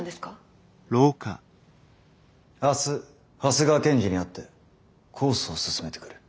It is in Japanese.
明日長谷川検事に会って控訴を勧めてくる。